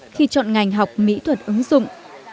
khi chọn ngành học mỹ thuật ứng dụng